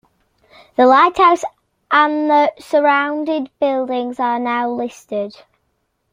The lighthouse and the surrounded buildings are now listed.